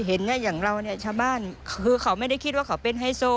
เห็นเนี่ยอย่างเราเนี่ยชาวบ้านคือเขาไม่ได้คิดว่าเขาเป็นไฮโซ